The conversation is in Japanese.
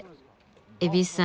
蛭子さん